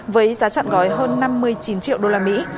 với giá trọn gói hơn năm mươi chín triệu đô la mỹ